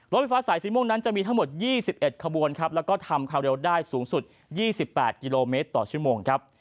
ไฟฟ้าสายสีม่วงนั้นจะมีทั้งหมด๒๑ขบวนครับแล้วก็ทำความเร็วได้สูงสุด๒๘กิโลเมตรต่อชั่วโมงครับ